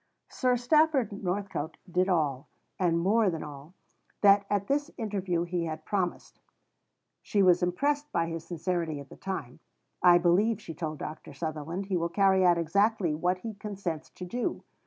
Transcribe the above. Sir Stafford Northcote did all, and more than all, that at this interview he had promised. She was impressed by his sincerity at the time. "I believe," she told Dr. Sutherland, "he will carry out exactly what he consents to do."